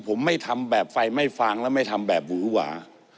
ผมไม่ทำแบบไฟไม่ฟางแล้วไม่ทำแบบหวือหวา